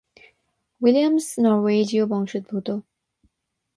Williams নরওয়েজীয় বংশোদ্ভূত।